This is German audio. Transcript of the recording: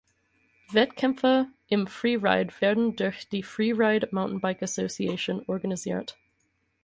Wettkämpfe im Freeride werden durch die "Freeride Mountain Bike Association" organisiert.